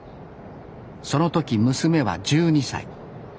その時娘は１２歳。